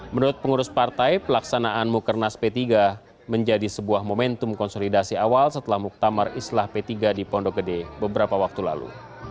menurut pengurus partai pelaksanaan mukernas p tiga menjadi sebuah momentum konsolidasi awal setelah muktamar islah p tiga di pondok gede beberapa waktu lalu